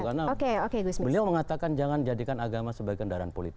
karena beliau mengatakan jangan jadikan agama sebagai kendaraan politik